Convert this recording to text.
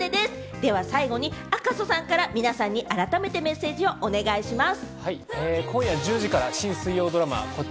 では最後に赤楚さんから皆さんに改めてメッセージをお願いします。